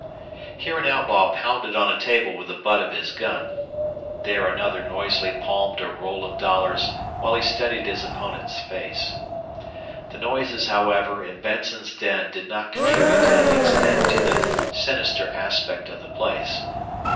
Here an outlaw pounded on a table with the butt of his gun; there another noisily palmed a roll of dollars while he studied his opponent's face. The noises, however, in Benson's den did not contribute to any extent to the sinister aspect of the place.